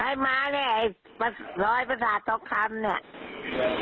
ให้มาเนี่ยร้อยประสาทท็อกคำเนี่ย